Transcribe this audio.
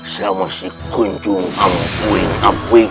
sama si gunjung ambuing ambuing